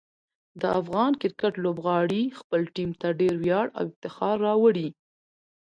د افغان کرکټ لوبغاړي خپل ټیم ته ډېر ویاړ او افتخار راوړي.